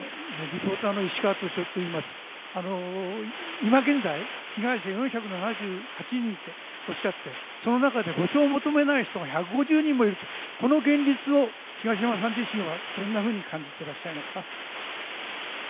今現在、被害者４７８人とおっしゃって、その中で補償を求めない人が１５０人もいるって、この現実を東山さん自身はどんなふうに感じていらっしゃいますか？